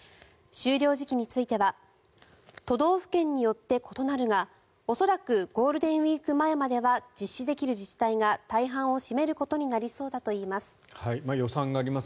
終了時期については都道府県によって異なるが恐らくゴールデンウィーク前までは実施できる自治体が大半を占めることになりそうだといいます。